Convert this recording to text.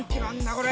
これ。